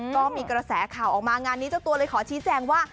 ก็มีกระแสข่าวออกมางานนี้เจ้าตัวเลยขอชี้แจงว่า